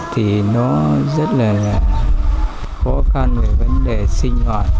thì nó rất là khó khăn về vấn đề sinh hoạt